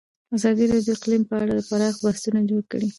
ازادي راډیو د اقلیم په اړه پراخ بحثونه جوړ کړي.